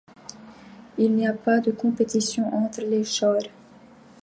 Il n'y a pas de compétition entre les chœurs.